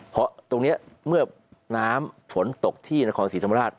เพราะตรงนี้เมื่อน้ำฝนตกที่นครศรีธรรมราช